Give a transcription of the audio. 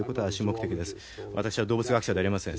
私は動物学者でありません。